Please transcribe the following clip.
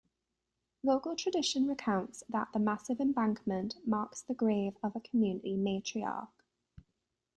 Local tradition recounts that the massive embankment marks the grave of a community matriarch.